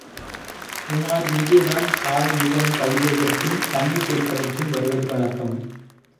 உமார் இங்கேதான் கால், முகம் கழுவுவதற்கும், தண்ணீர் குடிப்பதற்கும் வருவது வழக்கம்.